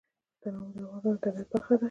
تنوع د افغانستان د طبیعت برخه ده.